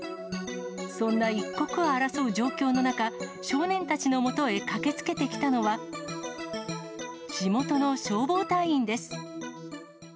そんな一刻を争う状況の中、少年たちのもとへ駆けつけてきたのは、地元の消防隊員です。